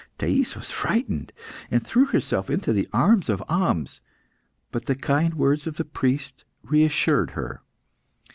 Thais was frightened, and threw herself into the arms of Ahmes. But the kind words of the priest reassured her.